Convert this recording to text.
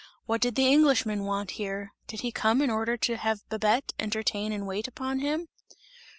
What did the Englishman want here? Did he come in order to have Babette entertain and wait upon him?